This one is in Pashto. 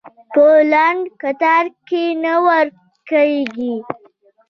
په لنډ کتار کې نه ورکېږي.